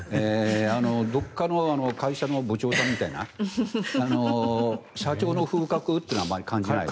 どこかの会社の部長さんみたいな社長の風格というのはあまり感じないです。